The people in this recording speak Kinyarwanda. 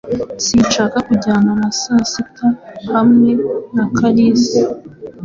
Sinshaka kujyana na sasita hamwe na Kalisa.